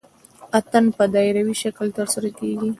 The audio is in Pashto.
اتن په دایروي شکل ترسره کیږي.